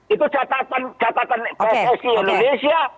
itu catatan pssi indonesia